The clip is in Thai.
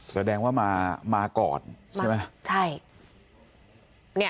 แสดงว่ามาก่อนใช่ไหมใช่